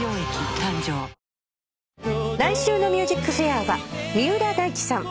来週の『ＭＵＳＩＣＦＡＩＲ』は三浦大知さん。